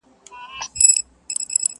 یو څو ورځي بېغمي وه په کورو کي!.